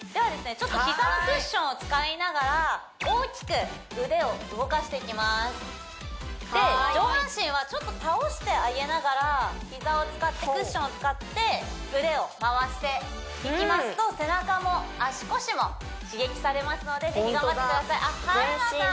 ちょっと膝のクッションを使いながら大きく腕を動かしていきますで上半身はちょっと倒してあげながら膝を使ってクッションを使って腕を回していきますと背中も足腰も刺激されますのでぜひ頑張ってくださいあっ春菜さん